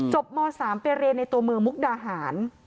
ม๓ไปเรียนในตัวเมืองมุกดาหาร